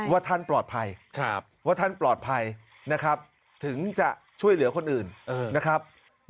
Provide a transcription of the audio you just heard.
ว่าท่านปลอดภัยถึงจะช่วยเหลือคนอื่นนะครับ